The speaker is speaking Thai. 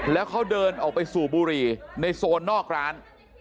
แล้วเขาเดินออกไปสูบบุหรี่ในโซนนอกร้าน